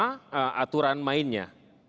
saksikan bersama aturan mainnya